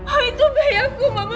ah itu bayi aku mama